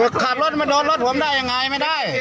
ขึ้นขับรถมันดดรถผมได้ยังไงไม่ได้